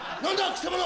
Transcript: くせ者！